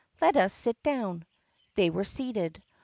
Let us sit down." They were seated.